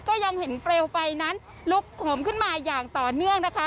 ก็ยังเห็นเปลวไฟนั้นลุกโหมขึ้นมาอย่างต่อเนื่องนะคะ